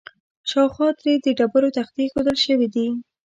شاوخوا ترې د ډبرو تختې ایښودل شوي دي.